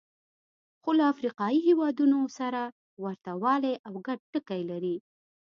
خو له افریقایي هېوادونو سره ورته والی او ګډ ټکي لري.